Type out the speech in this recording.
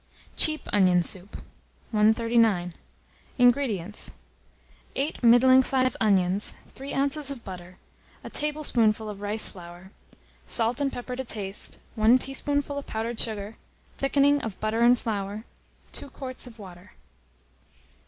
CHEAP ONION SOUP. 139. INGREDIENTS. 8 middling sized onions, 3 oz. of butter, a tablespoonful of rice flour, salt and pepper to taste, 1 teaspoonful of powdered sugar, thickening of butter and flour, 2 quarts of water.